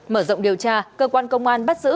mở rộng điều tra cơ quan công an bắt giữ